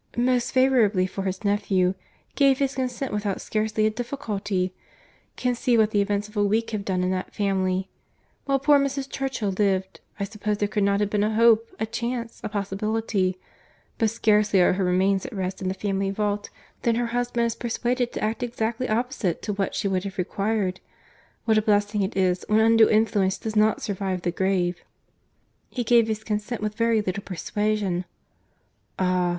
"Most favourably for his nephew—gave his consent with scarcely a difficulty. Conceive what the events of a week have done in that family! While poor Mrs. Churchill lived, I suppose there could not have been a hope, a chance, a possibility;—but scarcely are her remains at rest in the family vault, than her husband is persuaded to act exactly opposite to what she would have required. What a blessing it is, when undue influence does not survive the grave!—He gave his consent with very little persuasion." "Ah!"